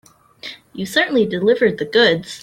You certainly delivered the goods.